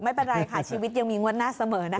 ไม่เป็นไรค่ะชีวิตยังมีงวดหน้าเสมอนะ